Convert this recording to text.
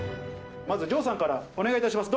まず城さんから、お願いいたします。